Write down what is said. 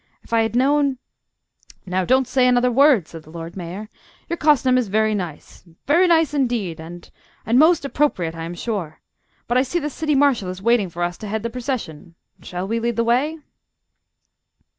If I had known " "Now, don't say another word!" said the Lord Mayor. "Your costume is very nice very nice indeed, and and most appropriate, I am sure. But I see the City Marshal is waiting for us to head the procession. Shall we lead the way?"